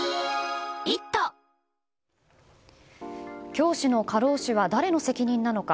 教師の過労死は誰の責任なのか。